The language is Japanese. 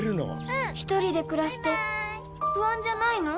一人で暮らして不安じゃないの？